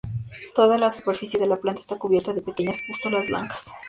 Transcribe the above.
Toda la superficie de la planta está cubierta de pequeñas pústulas blancas.